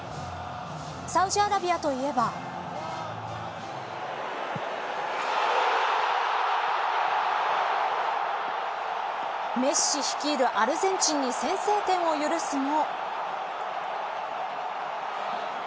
サウジアラビアといえばメッシ率いるアルゼンチンに先制点を許すも。